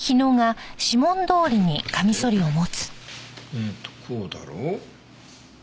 うんとこうだろ？